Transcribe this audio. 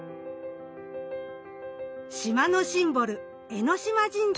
島のシンボル江島神社。